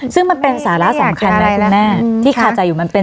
ซึ่งมันเป็นสาระสำคัญนะคุณแม่ที่คาใจอยู่มันเป็น